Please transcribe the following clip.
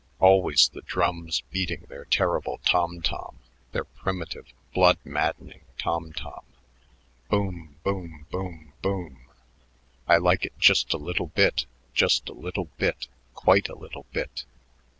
Always the drums beating their terrible tom tom, their primitive, blood maddening tom tom.... Boom, boom, boom, boom "I like it just a little bit, just a little bit, quite a little bit."